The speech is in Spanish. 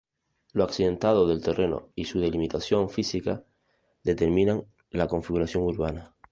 Lo accidentado del terreno y su delimitación física, determinan la configuración urbana.